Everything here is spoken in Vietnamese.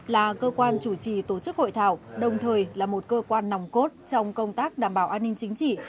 là cơ quan chủ trì tổ chức hội thảo đồng thời là một cơ quan nòng cốt trong công tác đảm bảo an ninh chính trị